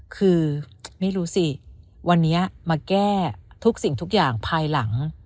คือไม่รู้สิวันนี้มาแก้ทุกสิ่งทุกอย่างภายหลัง